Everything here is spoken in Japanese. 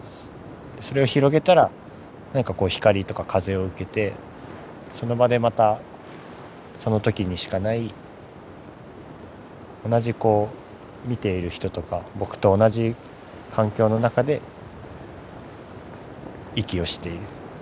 それを広げたらなんかこう光とか風を受けてその場でまたその時にしかない同じこう見ている人とか僕と同じ環境の中で息をしている。